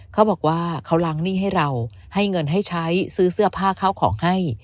เขาบอกว่าเขาล้างหนี้ให้เราให้เงินให้ใช้ซื้อเสื้อผ้าเข้าของให้